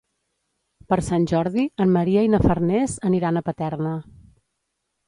Per Sant Jordi en Maria i na Farners aniran a Paterna.